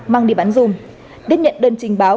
mang đi bán dùm đến nhận đơn trình báo